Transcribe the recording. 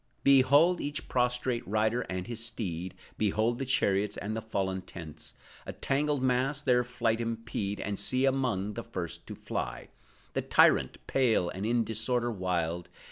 Behold each prostrate rider and his steed; Behold the chariots, and the fallen tents, A tangled mass their flight impede; And see, among the first to fly, The tyrant, pale, and in disorder wild!